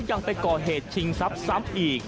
ยังไปก่อเหตุชิงทรัพย์ซ้ำอีก